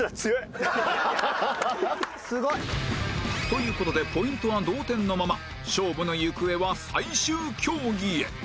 という事でポイントは同点のまま勝負の行方は最終競技へ